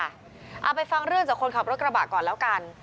เอาไปฟังเรื่องจากคนขับรถกระบะก่อนแล้วกัน